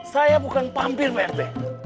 saya bukan pampir pak rt